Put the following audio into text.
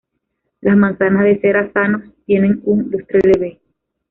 Las manzanas de cera sanos tienen un lustre leve.